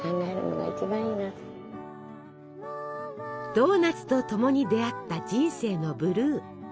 ドーナツとともに出会った人生のブルー。